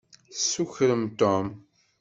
Tessukrem Tom.